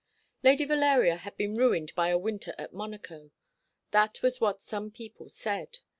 Lady Valeria had been ruined by a winter at Monaco. That was what some people said.